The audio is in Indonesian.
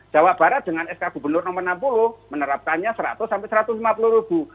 jawa barat dengan sk gubernur nomor enam puluh menerapkannya seratus sampai satu ratus lima puluh ribu